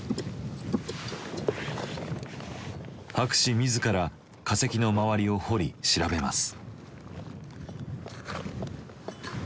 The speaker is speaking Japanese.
博士自ら化石の周りを掘り調べます。